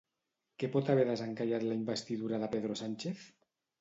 Què pot haver desencallat la investidura de Pedro Sánchez?